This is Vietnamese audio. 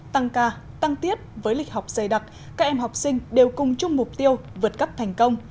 tăng ca tăng tiết với lịch học dày đặc các em học sinh đều cùng chung mục tiêu vượt cấp thành công